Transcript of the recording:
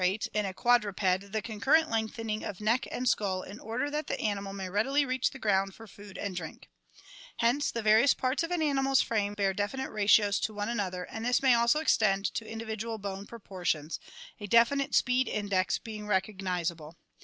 Courtesy of President Henry CURSORIAL AND FOSSORIAL ADAPTATION 303 quadruped, the concurrent lengthening of neck and skull in order that the animal may readily reach the ground for food and drink. Hence the various parts of an animal's frame bear definite ratios to one another and this may also extend to individual bone pro portions, a definite "speed index" being recognizable.